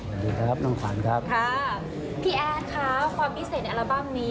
สวัสดีครับน้องขวัญครับค่ะพี่แอดค่ะความพิเศษในอัลบั้มนี้